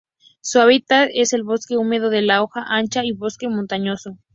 Su hábitat es el bosque húmedo de hoja ancha y bosque montañoso.